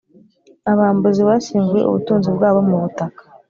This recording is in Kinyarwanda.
abambuzi bashyinguye ubutunzi bwabo mu butaka.